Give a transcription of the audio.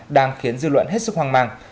đang khiến dư luận hết sức hoang mạng